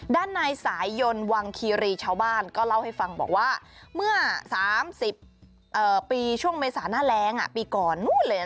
ด้านนายสายยนต์วังคีรีชาวบ้านก็เล่าให้ฟังบอกว่าเมื่อ๓๐ปีช่วงเมษาหน้าแรงปีก่อนนู้นเลย